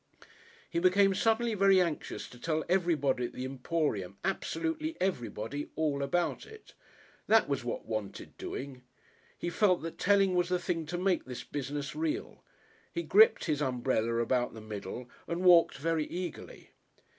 He became suddenly very anxious to tell everybody at the Emporium, absolutely everybody, all about it. That was what wanted doing. He felt that telling was the thing to make this business real. He gripped his umbrella about the middle and walked very eagerly.